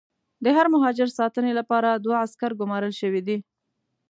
د هر مهاجر ساتنې لپاره دوه عسکر ګومارل شوي دي.